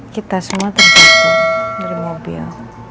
kita semua terjatuh dari mobil